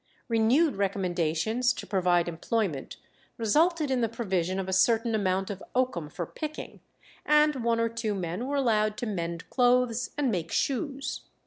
Renewed recommendations to provide employment resulted in the provision of a certain amount of oakum for picking, and one or two men were allowed to mend clothes and make shoes.